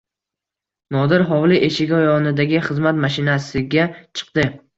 Nodir hovli eshigi yonidagi xizmat mashinasiga chiqdi.